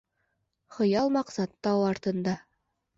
Хыял-маҡсат тау артында